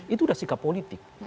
itu sudah sikap politik